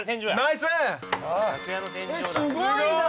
すごいな！